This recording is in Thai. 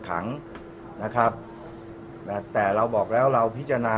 อ๋อขออนุญาตเป็นในเรื่องของการสอบสวนปากคำแพทย์ผู้ที่เกี่ยวข้องให้ชัดแจ้งอีกครั้งหนึ่งนะครับ